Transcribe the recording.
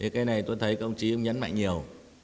cái này tôi thấy công chí ông nhấn mạnh nhiều